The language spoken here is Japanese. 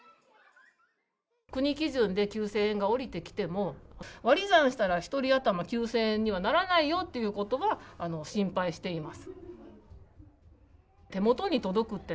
国基準で９０００円が降りてきても、割り算したら１人当たり９０００円にはならないよっていうことは心配しています。